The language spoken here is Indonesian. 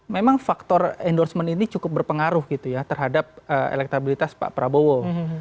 memang faktor endorsement ini cukup berpengaruh gitu ya terhadap elektabilitas pak prabowo